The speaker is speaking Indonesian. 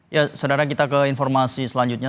ya saudara kita ke informasi selanjutnya